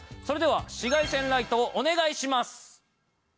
それでは紫外線ライトお願いします。